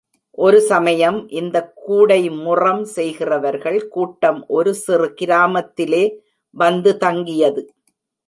ஒரு சமயம் இந்தக் கூடைமுறம் செய்கிறவர்கள் கூட்டம் ஒரு சிறு கிராமத்திலே வந்து தங்கியது.